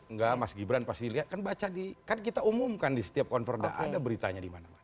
enggak mas gibran pasti lihat kan baca di kan kita umumkan di setiap konverda ada beritanya di mana mana